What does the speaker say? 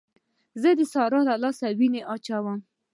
زه د سارا له لاسه وينې اچوم.